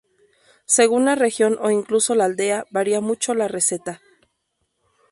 Según la región o incluso la aldea, varía mucho la receta.